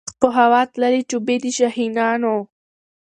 په هوا تللې جوپې د شاهینانو